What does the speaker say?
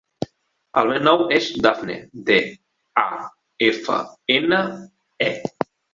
El meu nom és Dafne: de, a, efa, ena, e.